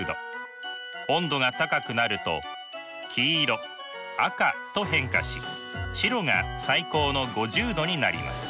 温度が高くなると黄色赤と変化し白が最高の５０℃になります。